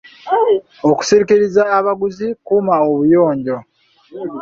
Okusikiriza abaguzi, kuuma obuyonjo.